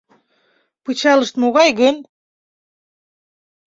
Пычалышт могай гын?